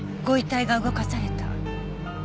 ご遺体が動かされた。